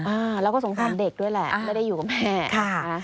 อ่าแล้วก็สงสารเด็กด้วยแหละไม่ได้อยู่กับแม่ค่ะ